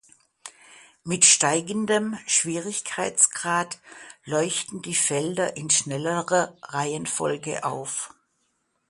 Mit steigendem Schwierigkeitsgrad leuchten die Felder in schnellerer Reihenfolge auf.